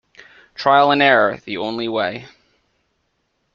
Trial and error. The only way.